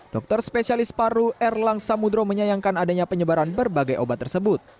dokter spesialis paru erlang samudro menyayangkan adanya penyebaran berbagai obat tersebut